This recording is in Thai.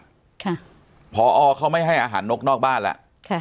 ค่ะพอเขาไม่ให้อาหารนกนอกบ้านแล้วค่ะ